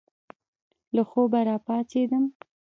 له خوبه را پاڅېدم.